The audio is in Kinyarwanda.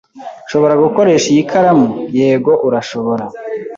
"Nshobora gukoresha iyi karamu?" "Yego, urashobora."